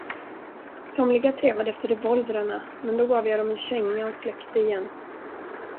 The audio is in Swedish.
Somliga trevade efter revolvrarna, men då gav jag dom en känga och släckte igen.